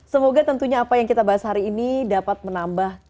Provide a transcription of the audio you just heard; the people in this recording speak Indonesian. semoga tentunya apa yang kita bahas hari ini dapat menambah